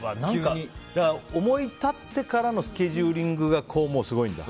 思い立ってからのスケジューリングがすごいんだ。